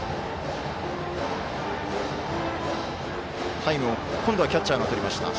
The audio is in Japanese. タイム、今度はキャッチャーがとりました。